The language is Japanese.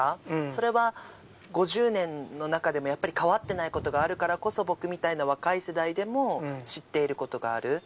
それは５０年の中でもやっぱり変わってないことがあるからこそ、僕みたいな若い世代でも、知っていることがある。